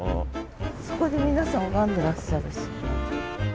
そこで皆さん拝んでらっしゃるし。